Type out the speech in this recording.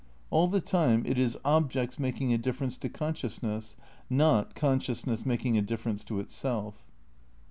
All the time it is objects making a difference to consciousness, not consciousness making a difference to itself.